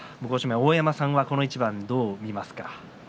大山さんはこの相撲どう見ますか。